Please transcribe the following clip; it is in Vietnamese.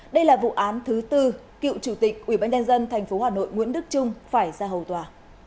đây là vụ án thứ bốn cựu chủ tịch ubnd tp hà nội nguyễn đức trung phải ra hầu tòa